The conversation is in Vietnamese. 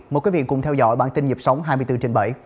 mời quý vị cùng theo dõi bản tin nhịp sống hai mươi bốn trên bảy